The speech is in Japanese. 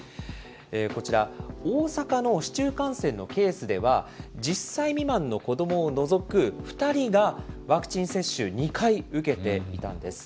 こちら、大阪の市中感染のケースでは、１０歳未満の子どもを除く２人が、ワクチン接種２回受けていたんです。